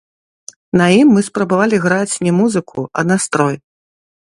На ім мы спрабавалі граць не музыку, а настрой.